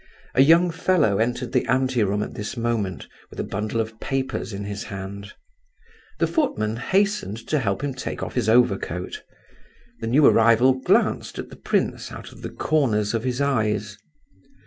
A young fellow entered the ante room at this moment, with a bundle of papers in his hand. The footman hastened to help him take off his overcoat. The new arrival glanced at the prince out of the corners of his eyes.